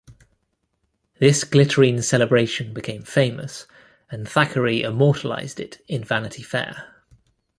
This glittering celebration became famous, and Thackeray immortalised it in "Vanity Fair".